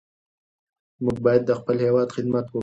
موږ باید د خپل هېواد خدمت وکړو.